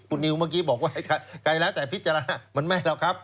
คุณนิวเมื่อกี้บอกว่าใครแล้วแต่พิจารณามันไม่หรอกครับ